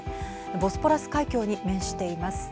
ボスポラス海峡に面しています。